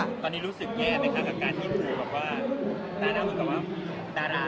ตอนนี้รู้สึกแย่นะคะกับการที่ถือ